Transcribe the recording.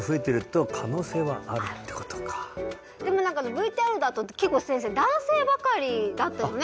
意外でも何かＶＴＲだと結構先生男性ばかりだったよね？